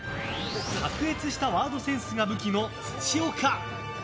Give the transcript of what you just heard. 卓越したワードセンスが武器の土岡。